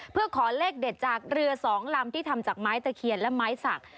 เพื่อขอเลขเด็ดจากเรือสองลำที่ทำจากไม้ตะเคียนและไม้สัก